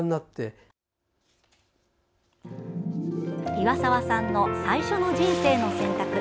岩沢さんの最初の人生の選択